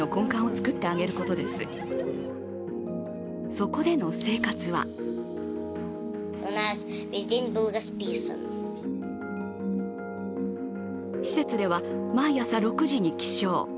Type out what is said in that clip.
そこでの生活は施設では毎朝６時に起床。